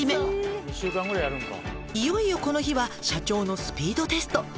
「いよいよこの日は社長のスピードテスト」